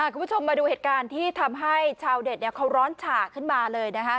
คุณผู้ชมมาดูเหตุการณ์ที่ทำให้ชาวเน็ตเขาร้อนฉากขึ้นมาเลยนะคะ